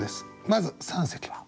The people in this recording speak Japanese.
まず三席は？